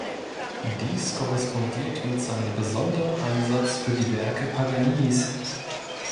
Dies korrespondiert mit seinem besonderen Einsatz für die Werke Paganinis.